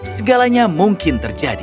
segalanya mungkin terjadi